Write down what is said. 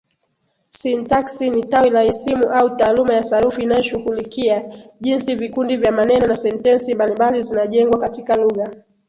Sintaksi ni tawi la isimu au taaluma ya sarufi inayoshughulikia jinsi vikundi vya maneno na sentensi mbalimbali zinajengwa katika lugha.